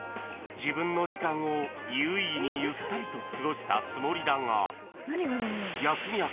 ［自分の時間を有意義にゆったりと過ごしたつもりだが］